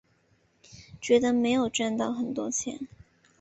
觉得没有赚到很多钱